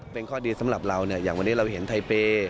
เป็นข้อดีสำหรับเราเนี่ยอย่างวันนี้เราเห็นไทเปย์